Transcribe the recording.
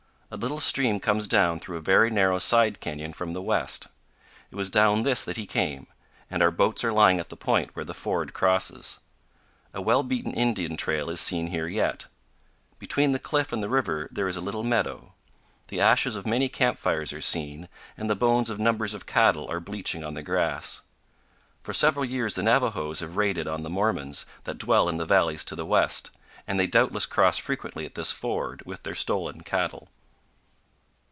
A little stream comes down through a very narrow side canyon from the west. It was down this that he came, and our boats are lying at the point where the ford crosses. A well beaten Indian trail is seen here yet. Between the cliff and the river there is a little meadow. The ashes of many camp fires are seen, and the bones of numbers of cattle are bleaching on the grass. For several years the Navajos have raided on the Mormons that dwell in the valleys to the west, and they doubtless cross frequently at this ford with their stolen cattle.